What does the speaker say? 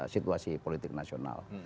situasi politik nasional